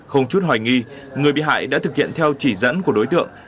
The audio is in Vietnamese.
không chút hoài nghi người bị hại đã thực hiện theo chỉ dẫn của đối tượng